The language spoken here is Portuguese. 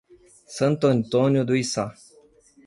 Santo Antônio do Içá